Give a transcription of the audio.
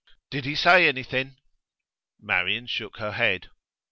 'Did he say anything?' Marian shook her head.